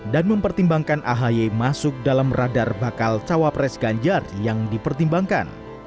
dan mempertimbangkan ahy masuk dalam radar bakal cawapres ganjar yang dipertimbangkan